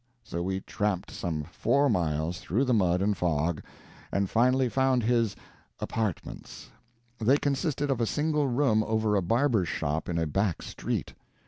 So we tramped some four miles through the mud and fog, and finally found his "apartments"; they consisted of a single room over a barber's shop in a back street.